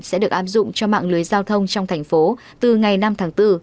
sẽ được áp dụng cho mạng lưới giao thông trong thành phố từ ngày năm tháng bốn